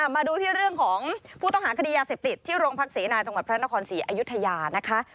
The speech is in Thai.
มาดูที่เรื่องของผู้ต้องหาคดียาเสพติดที่โรงพักเสนาจังหวัดพระนครศรีอยุธยานะคะ